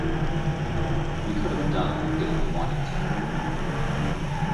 We could've done if we wanted to.